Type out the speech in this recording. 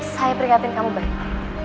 saya peringatin kamu baik